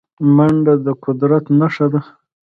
منډه د قدرت نښه ده